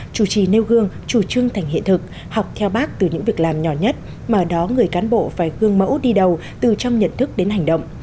chủ trì nêu gương chủ trương thành hiện thực học theo bác từ những việc làm nhỏ nhất mà ở đó người cán bộ phải gương mẫu đi đầu từ trong nhận thức đến hành động